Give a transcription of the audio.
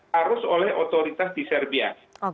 harus oleh otoritas di serbia